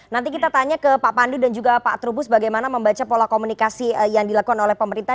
nanti kita tanya ke pak pandu dan juga pak trubus bagaimana membaca pola komunikasi yang dilakukan oleh pemerintah